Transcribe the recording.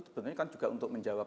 sebetulnya kan juga untuk menjawab